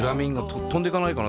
飛んでいかないかな？